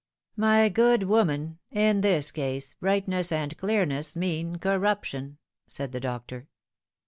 " My good woman, in this case brightness and clearness mean corruption," said the doctor.